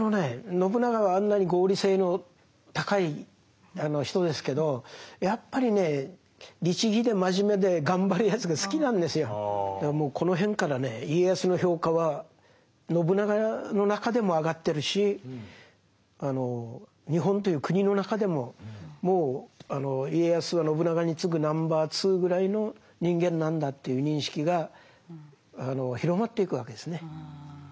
信長はあんなに合理性の高い人ですけどやっぱりねだからもうこの辺からね家康の評価は信長の中でも上がってるし日本という国の中でももう家康は信長につぐナンバー２ぐらいの人間なんだという認識が広まっていくわけですね。